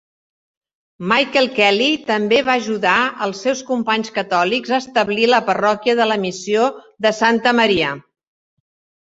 Michael Kelly també va ajudar els seus companys catòlics a establir la parròquia de la missió de Santa Maria.